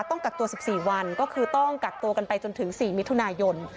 ต้องกักตัว๑๔วันก็คือต้องกักตัวกันไปจนถึง๔มิถุนายน